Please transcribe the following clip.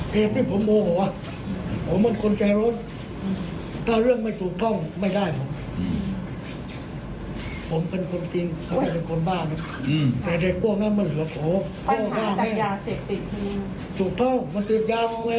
เคยมีปัญหาแบบนี้มันขีดกันหรือเปล่าคะ